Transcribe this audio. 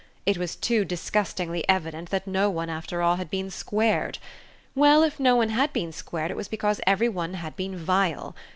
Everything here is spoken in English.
it was too disgustingly evident that no one after all had been squared. Well, if no one had been squared it was because every one had been vile.